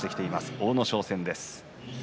阿武咲戦です。